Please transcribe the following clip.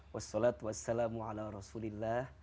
wassalat wassalamu ala rasulillah